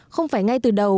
không phải ngay từ đầu